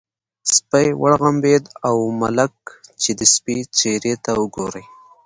سپی وغړمبېد او ملک چې د سپي څېرې ته وګوري.